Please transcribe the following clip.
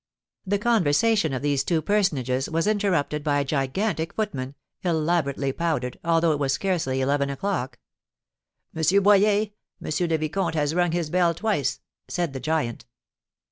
The conversation of these two personages was interrupted by a gigantic footman, elaborately powdered, although it was scarcely eleven o'clock. "M. Boyer, M. le Vicomte has rung his bell twice," said the giant.